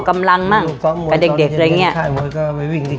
คุณพ่อมีลูกทั้งหมด๑๐ปี